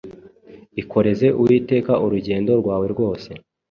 Ikoreze Uwiteka urugendo rwawe rwose